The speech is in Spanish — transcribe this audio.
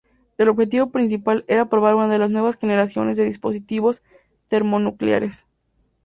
El objetivo principal era probar una nueva generación de dispositivos termonucleares.